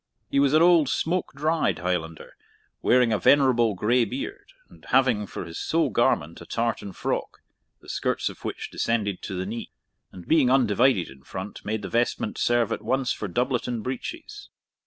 He was an old smoke dried Highlander, wearing a venerable grey beard, and having for his sole garment a tartan frock, the skirts of which descended to the knee, and, being undivided in front, made the vestment serve at once for doublet and breeches.